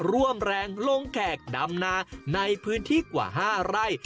ร่วมแรงลงแขกดำนาในพื้นที่กว่า๕ไร่